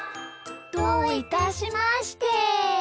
どういたしまして。